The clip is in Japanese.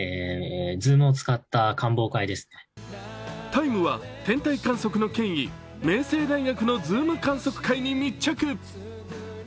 「ＴＩＭＥ，」は天体観測の権威、明星大学のＺｏｏｍ観測会に密着。